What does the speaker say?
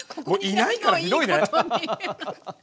いないからひどいね！